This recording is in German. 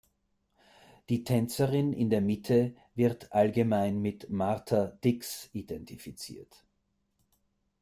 Die Tänzerin in der Mitte wird allgemein mit Martha Dix identifiziert.